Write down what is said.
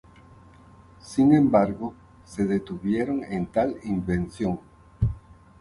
Sin embargo, se detuvieron en tal invención.